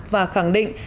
và khẳng định